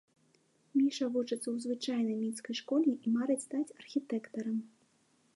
Міша вучыцца ў звычайнай мінскай школе і марыць стаць архітэктарам.